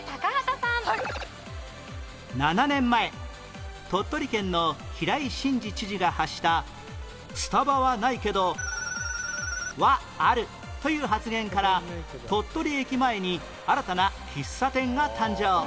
７年前鳥取県の平井伸治知事が発した「スタバはないけどはある」という発言から鳥取駅前に新たな喫茶店が誕生